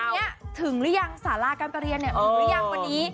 วันเนี่ยถึงรึยังซาลาการเป็นกะเลี่ยเนี่ยอยู่หรือยังวันนี้